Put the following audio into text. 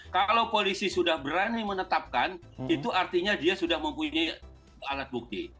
kalau polisi sudah berani menetapkan itu artinya dia sudah mempunyai alat bukti